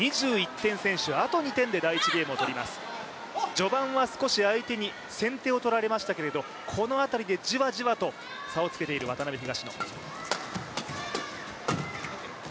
序盤は少し相手に先手を取られましたけれどもこの辺りでじわじわと差をつけている渡辺・東野。